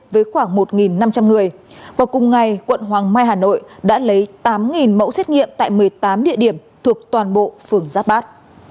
với khoảng một năm trăm linh người vào cùng ngày quận hoàng mai hà nội đã lấy tám mẫu xét nghiệm tại một mươi tám địa điểm thuộc toàn bộ phường giáp bát